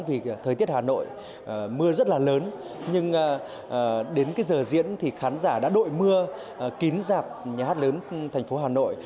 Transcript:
vì thời tiết hà nội mưa rất là lớn nhưng đến cái giờ diễn thì khán giả đã đội mưa kín dạp nhà hát lớn thành phố hà nội